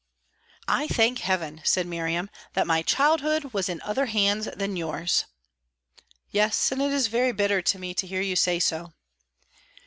"I thank Heaven," said Miriam, "that my childhood was in other hands than yours!" "Yes; and it is very bitter to me to hear you say so."